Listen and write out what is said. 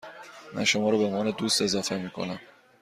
من شما را به عنوان دوست اضافه می کنم.